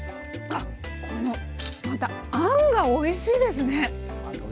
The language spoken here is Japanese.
あっこのまたあんがおいしいですね！